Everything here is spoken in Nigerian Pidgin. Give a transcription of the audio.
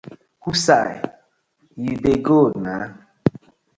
Wusai yu dey go na?